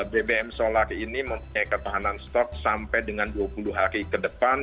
bbm solar ini mempunyai ketahanan stok sampai dengan dua puluh hari ke depan